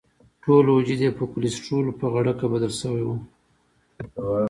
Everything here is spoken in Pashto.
ټول وجود یې په کولسټرولو په غړکه بدل شوی وو.